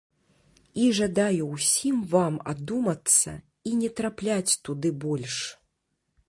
І жадаю ўсім вам адумацца і не трапляць туды больш!